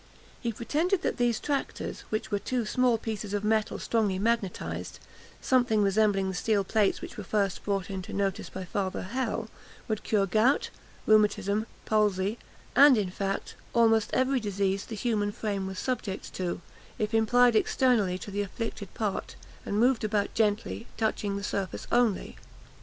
He pretended that these tractors, which were two small pieces of metal strongly magnetised, something resembling the steel plates which were first brought into notice by Father Hell, would cure gout, rheumatism, palsy, and, in fact, almost every disease the human frame was subject to, if applied externally to the afflicted part, and moved about gently, touching the surface only.